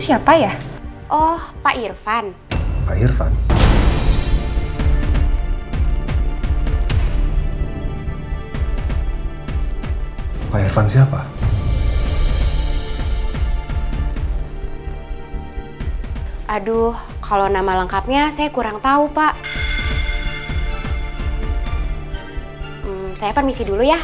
saya permisi dulu ya